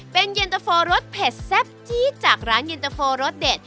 เป็นเย็นตะโฟรสเผ็ดแซ่บจี๊ดจากร้านเย็นตะโฟรสเด็ด